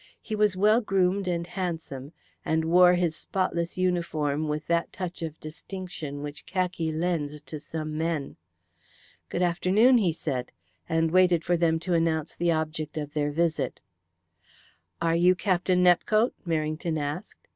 He was well groomed and handsome, and wore his spotless uniform with that touch of distinction which khaki lends to some men. "Good afternoon," he said, and waited for them to announce the object of their visit. "Are you Captain Nepcote?" Merrington asked.